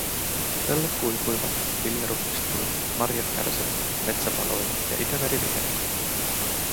Pellot kuivuivat, vilja ruskistui, marjat kärsivät, metsä paloi ja Itämeri vihertyi.